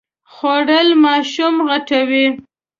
خوړل ماشوم غټوي